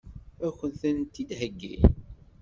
Ad kent-ten-id-heggin?